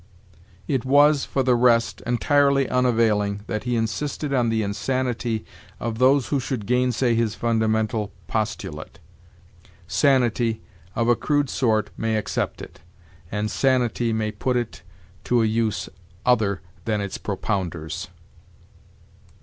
It was, for the rest, entirely unavailing that he insisted on the insanity of those who should gainsay his fundamental postulate. Sanity, of a crude sort, may accept it; and sanity may put it to a use other than its propounder's.